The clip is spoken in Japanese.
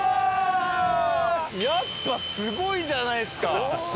やっぱすごいじゃないですか！